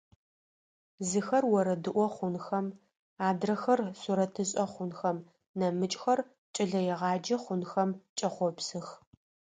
Зыхэр орэдыӀо хъунхэм, адрэхэр сурэтышӀэ хъунхэм, нэмыкӀхэр кӀэлэегъаджэ хъунхэм кӀэхъопсых.